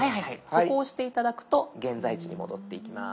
そこを押して頂くと現在地に戻っていきます。